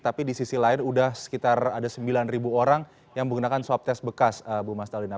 tapi di sisi lain sudah sekitar ada sembilan orang yang menggunakan swab tes bekas bu mas talina